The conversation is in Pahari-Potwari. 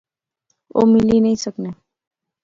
او ملی نئیں سکنے